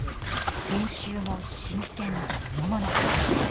練習も真剣そのもの。